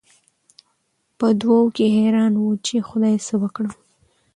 په دوو کې حېران وو، چې خدايه څه وکړم؟